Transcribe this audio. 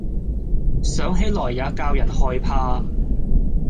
想起來也教人害怕。